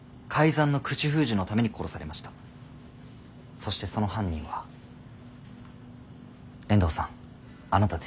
そしてその犯人は遠藤さんあなたです。